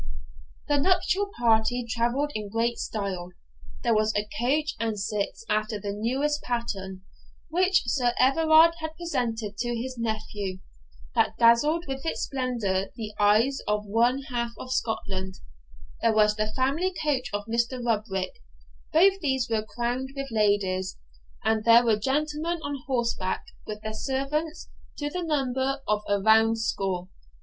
The nuptial party travelled in great style. There was a coach and six after the newest pattern, which Sir Everard had presented to his nephew, that dazzled with its splendour the eyes of one half of Scotland; there was the family coach of Mr. Rubrick; both these were crowded with ladies, and there were gentlemen on horseback, with their servants, to the number of a round score.